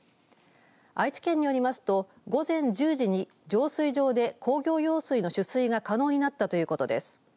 愛知県によりますと午前１０時に浄水場で工業用水の取水が可能になったということです。